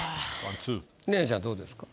レイナちゃんどうですか？